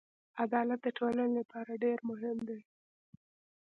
عدالت د ټولنې لپاره ډېر مهم دی.